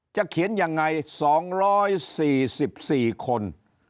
เขียนยังไง๒๔๔คน